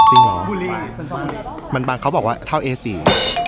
จริงเหรอบุรีสันสมัยมันบางเขาบอกว่าเท่าเอสี